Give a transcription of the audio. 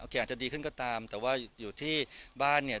อาจจะดีขึ้นก็ตามแต่ว่าอยู่ที่บ้านเนี่ย